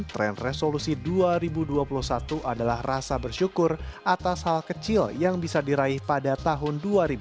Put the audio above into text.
tren resolusi dua ribu dua puluh satu adalah rasa bersyukur atas hal kecil yang bisa diraih pada tahun dua ribu dua puluh